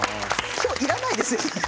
今日いらないですよね。